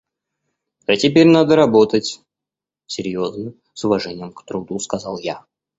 — А теперь надо работать, — серьезно, с уважением к труду, сказал я.